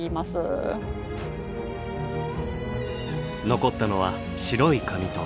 残ったのは白い紙と。